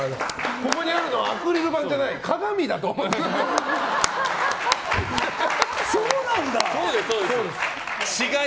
ここにあるのはアクリル板じゃない。